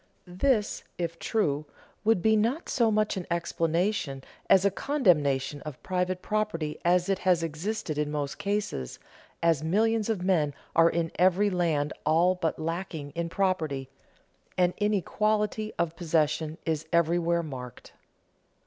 This, if true, would be not so much an explanation as a condemnation of private property as it has existed in most cases, as millions of men are in every land all but lacking in property, and inequality of possession is everywhere marked.